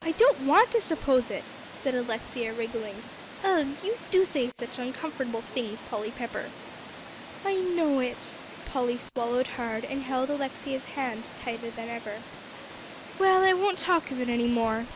"I don't want to suppose it," said Alexia, wriggling. "Ugh! you do say such uncomfortable things, Polly Pepper." "I know it." Polly swallowed hard, and held Alexia's hand tighter than ever. "Well, I won't talk of it any more."